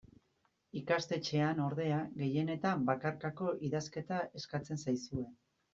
Ikastetxean, ordea, gehienetan bakarkako idazketa eskatzen zaizue.